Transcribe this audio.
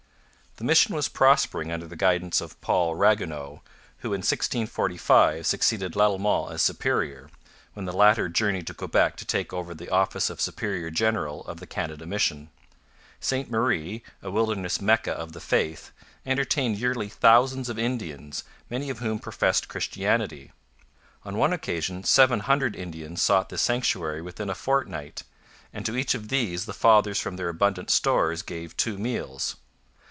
The mission was prospering under the guidance of Paul Ragueneau, who in 1645 succeeded Lalemant as superior, when the latter journeyed to Quebec to take over the office of superior general of the Canada mission. Ste Marie, a wilderness Mecca of the faith, entertained yearly thousands of Indians, many of whom professed Christianity. On one occasion seven hundred Indians sought this sanctuary within a fortnight, and to each of these the fathers from their abundant stores gave two meals.